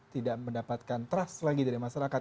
tidak mendapatkan trust lagi dari masyarakat